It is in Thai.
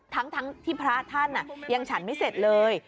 ทั้งที่พระท่านยังฉันไม่เสร็จเลย